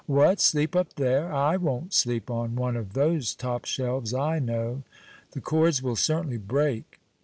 "What, sleep up there! I won't sleep on one of those top shelves, I know. The cords will certainly break."